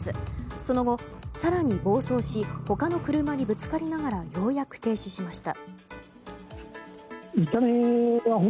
その後、更に暴走し他の車にぶつかりながらようやく停止しました。